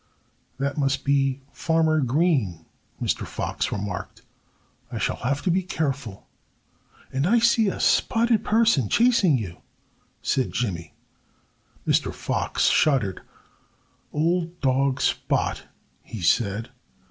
"That must be Farmer Green," Mr. Fox remarked. "I shall have to be careful." "And I see a spotted person chasing you," said Jimmy. Mr. Fox shuddered. "Old dog Spot!" he said.